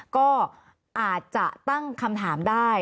ก็อาจจะตั้งคำถามได้